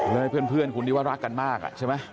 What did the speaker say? เพื่อนคุณที่ว่ารักกันมากใช่ไหม